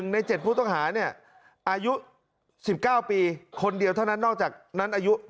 ใน๗ผู้ต้องหาเนี่ยอายุ๑๙ปีคนเดียวเท่านั้นนอกจากนั้นอายุ